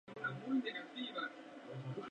La celulitis es a menudo un diagnóstico clínico.